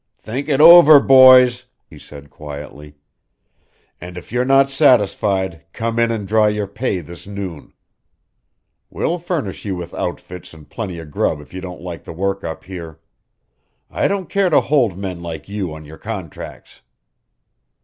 "Think it over, boys," he said, quietly. "And if you're not satisfied come in and draw your pay this noon. We'll furnish you with outfits and plenty of grub if you don't like the work up here. I don't care to hold men like you to your contracts."